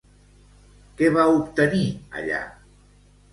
Què va obtenir allà?